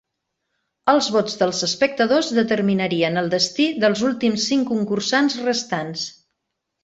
Els vots dels espectadors determinarien el destí dels últims cinc concursants restants.